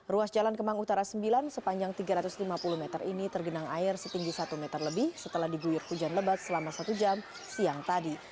ruas jalan kemang utara sembilan sepanjang tiga ratus lima puluh meter ini tergenang air setinggi satu meter lebih setelah diguyur hujan lebat selama satu jam siang tadi